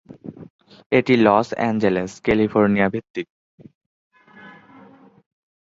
এটি Los Angeles, California ভিত্তিক।